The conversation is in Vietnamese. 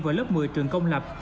vào lớp một mươi trường công lập